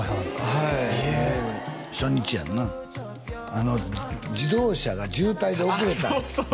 はいもうええ初日やんなあの自動車が渋滞で遅れたああ